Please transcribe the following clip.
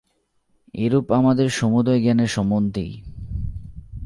এইরূপ আমাদের সমুদয় জ্ঞানের সম্বন্ধেই।